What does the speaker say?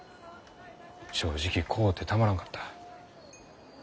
正直怖うてたまらんかった。